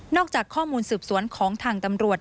จากข้อมูลสืบสวนของทางตำรวจ